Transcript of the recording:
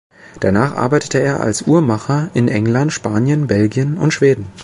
Danach arbeitete er als Uhrmacher in England, Spanien, Belgien und Schweden.